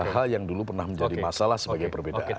hal yang dulu pernah menjadi masalah sebagai perbedaan